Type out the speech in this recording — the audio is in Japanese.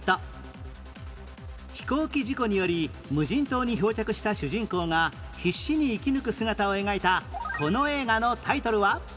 飛行機事故により無人島に漂着した主人公が必死に生き抜く姿を描いたこの映画のタイトルは？